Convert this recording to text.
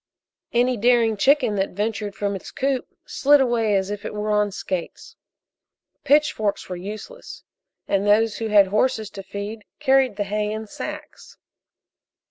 Any daring chicken that ventured from its coop slid away as if it were on skates. Pitchforks were useless, and those who had horses to feed carried the hay in sacks.